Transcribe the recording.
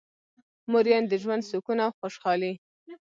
مور یعنی د ژوند سکون او خوشحالي.